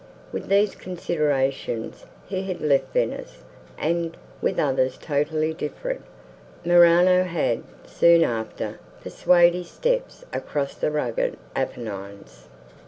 With these considerations, he had left Venice; and, with others totally different, Morano had, soon after, pursued his steps across the rugged Apennines.